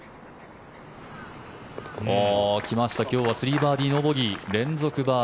来ました、今日は３バーディーノーボギー。